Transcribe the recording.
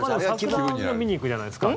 桜は見に行くじゃないですか。